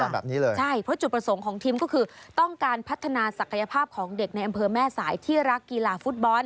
แบบนี้เลยใช่เพราะจุดประสงค์ของทีมก็คือต้องการพัฒนาศักยภาพของเด็กในอำเภอแม่สายที่รักกีฬาฟุตบอล